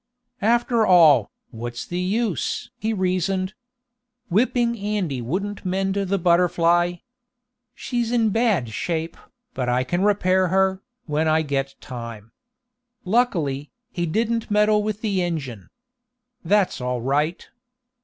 "After all, what's the use?" he reasoned. "Whipping Andy wouldn't mend the BUTTERFLY. She's in bad shape, but I can repair her, when I get time. Luckily, he didn't meddle with the engine. That's all right."